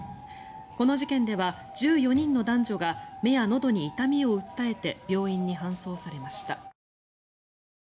この事件では１４人の男女が目やのどに痛みを訴えて病院に搬送されました。